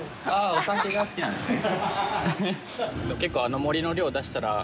お酒が好きなんですね。